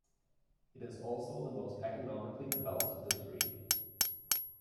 It is also the most economically developed of the three.